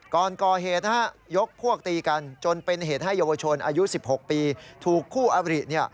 ก่อนก่อเหตุยกพวกตีกันจนเป็นเหตุให้เยาวชนอายุ๑๖ปีถูกคู่อบริ